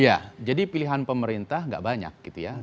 iya jadi pilihan pemerintah gak banyak gitu ya